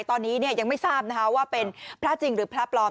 ตอนนี้ยังไม่ทราบว่าเป็นพระจริงหรือพระปลอม